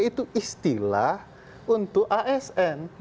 itu istilah untuk asn